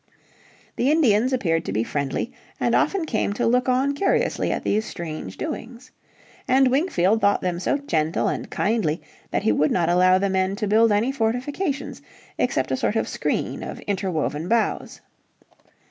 The Indians appeared to be friendly, and often came to look on curiously at these strange doings. And Wingfield thought them so gentle and kindly that he would not allow the men to build any fortifications except a sort of screen of interwoven boughs.